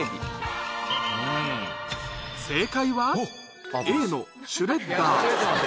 正解は、Ａのシュレッダー。